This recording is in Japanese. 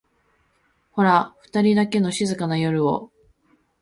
ホラふたりだけの静かな夜を